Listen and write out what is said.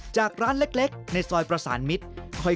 จากร้านเล็กในซอยประสานมิตร